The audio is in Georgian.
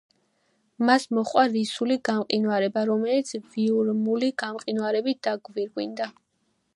მას მოჰყვა რისული გამყინვარება, რომელიც ვიურმული გამყინვარებით დაგვირგვინდა.